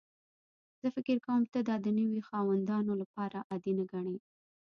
زه فکر کوم ته دا د نوي خاوندانو لپاره عادي نه ګڼې